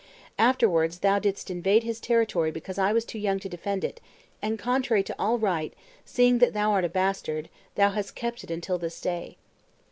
Afterwards thou didst invade his territory because I was too young to defend it; and, contrary to all right, seeing that thou art a bastard, thou hast kept it until this day.